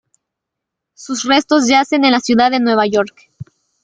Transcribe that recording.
Sus restos yacen en la ciudad de Nueva York.